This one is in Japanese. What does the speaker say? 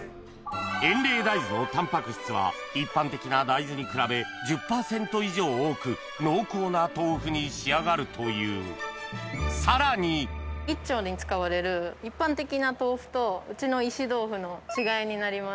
エンレイ大豆のタンパク質は一般的な大豆に比べ１０％以上多く濃厚な豆腐に仕上がるというさらに１丁に使われる一般的な豆腐とうちの石豆富の違いになります。